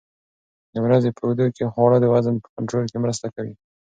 د ورځې په اوږدو کې خواړه د وزن په کنټرول کې مرسته کوي.